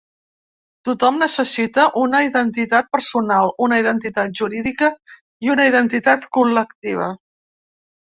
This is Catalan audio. Tothom necessita una identitat personal, una identitat jurídica i una identitat col·lectiva.